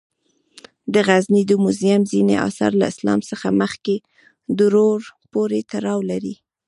د غزني د موزیم ځینې آثار له اسلام څخه مخکې دورو پورې تړاو لري.